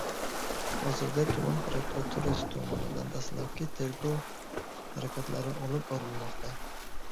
Hozirda tuman prokuraturasi tomonidan dastlabki tergov harakatlari olib borilmoqda